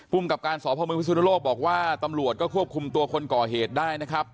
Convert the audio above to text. กับการสพมพิสุนโลกบอกว่าตำรวจก็ควบคุมตัวคนก่อเหตุได้นะครับ